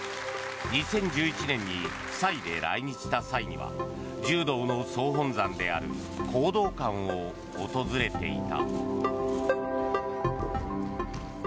２０１１年に夫妻で来日した際には柔道の総本山である講道館を訪れていた。